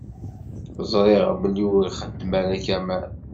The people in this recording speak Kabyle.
Ẓriɣ belli ur ixeddem ara Kamal.